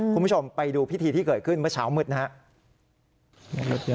คุณผู้ชมไปดูพิธีที่เกิดขึ้นเมื่อเช้ามืดนะครับ